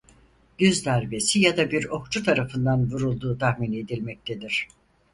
Gürz darbesi ya da bir okçu tarafından vurulduğu tahmin edilmektedir.